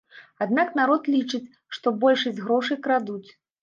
Аднак народ лічыць, што большасць грошай крадуць.